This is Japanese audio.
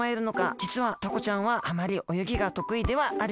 じつはタコちゃんはあまりおよぎがとくいではありません。